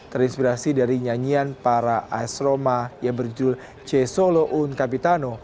terinspirasi dari nyanyian para as roma yang berjudul cesolo un capitano